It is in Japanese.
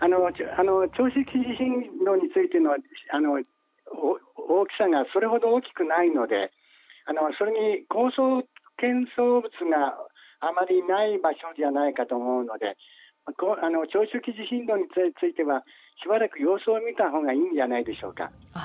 長周期地震動についての大きさがそれほど大きくないのでそれに高層建造物があまりない場所じゃないかと思うので長周期地震動についてはしばらく様子を見たほうがいいんじゃないでしょうか。